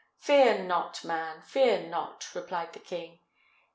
"Fear not, man! fear not!" replied the king.